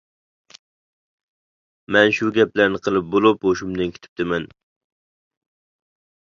مەن شۇ گەپلەرنى قىلىپ بولۇپ، ھوشۇمدىن كېتىپتىمەن.